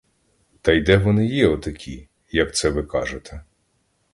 Та й де вони є отакі, як це ви кажете?